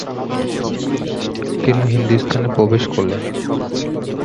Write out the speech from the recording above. তিনি হিন্দুস্থানে প্রবেশ করলেন।